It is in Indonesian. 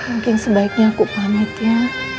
mungkin sebaiknya aku pamit ya